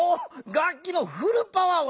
「楽器のフルパワーを出す」！